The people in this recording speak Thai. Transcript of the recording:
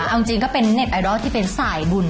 เอาจริงก็เป็นเน็ตไอดอลที่เป็นสายบุญ